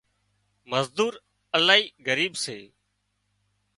مزور الاهي ڳريٻ سي